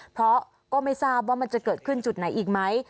เพราะก็ไม่ทราบว่ามันจะเกิดขึ้นจุดไหนอีกไหม